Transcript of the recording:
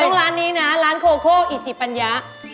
ร้านนี้นะร้านโคโคอิจิปัญญะ